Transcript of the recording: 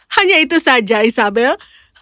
hanya itu saja isabel